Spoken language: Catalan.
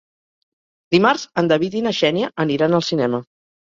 Dimarts en David i na Xènia aniran al cinema.